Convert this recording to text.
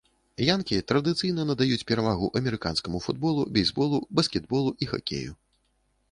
Янкі традыцыйна надаюць перавагу амерыканскаму футболу, бейсболу, баскетболу і хакею.